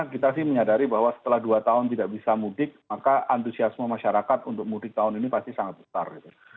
kita sih menyadari bahwa setelah dua tahun tidak bisa mudik maka antusiasme masyarakat untuk mudik tahun ini pasti sangat besar gitu